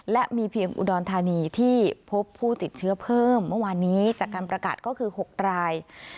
และมีเพียงอุดรธานีที่พบผู้ติดเชื้อเพิ่มเมื่อวานนี้จากการประกาศก็คือ๖ราย